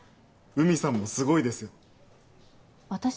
海さんもすごいですよ私？